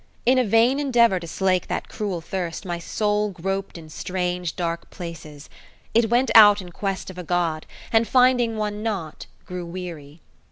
In a vain endeavour to slake that cruel thirst my soul groped in strange dark places. It went out in quest of a God, and finding one not, grew weary.